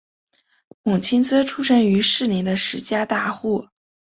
母亲则出身于士林的施家大户。